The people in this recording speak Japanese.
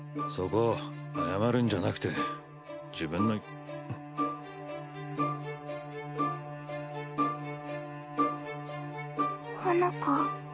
そこ謝るんじゃなくて自分のん？